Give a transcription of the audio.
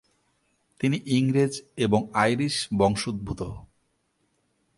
তিনি ইংরেজ এবং আইরিশ বংশোদ্ভূত।